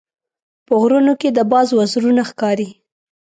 په غرونو کې د باز وزرونه ښکاري.